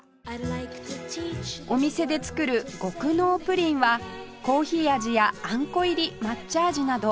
お店で作る極濃プリンはコーヒー味やあんこ入り抹茶味など７種類